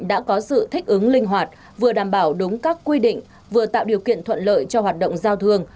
đã có sự thích ứng linh hoạt vừa đảm bảo đúng các quy định vừa tạo điều kiện thuận lợi cho hoạt động giao thương